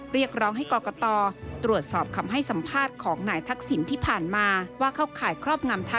เรียกร้องให้กรกตตรวจสอบคำให้สัมภาษณ์ของนายทักศิลป์ที่ผ่านมา